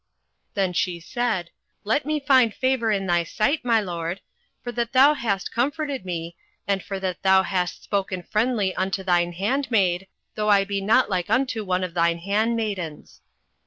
08:002:013 Then she said, Let me find favour in thy sight, my lord; for that thou hast comforted me, and for that thou hast spoken friendly unto thine handmaid, though I be not like unto one of thine handmaidens.